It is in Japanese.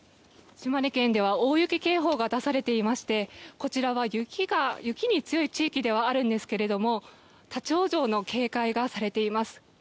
島根県では大雪警報が出されていましてこちらは雪に強い地域ではあるんですが立ち往生の警戒がされています。